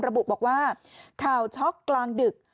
ระบุบอกว่าข่าวช็อกกลางดึก